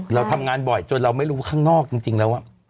เราทำงานบ่อยจนเราไม่รู้ข้างนอกจริงแล้ว